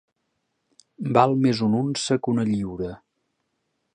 Val més una unça que una lliura.